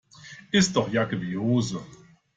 Ist doch Jacke wie Hose.